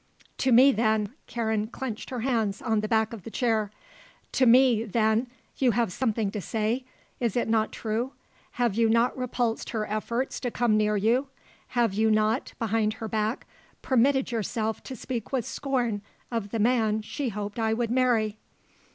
"To me, then," Karen clenched her hands on the back of the chair; "to me, then, you have something to say. Is it not true? Have you not repulsed her efforts to come near you? Have you not, behind her back, permitted yourself to speak with scorn of the man she hoped I would marry?"